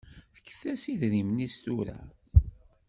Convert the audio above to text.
Fket-as idrimen-is tura.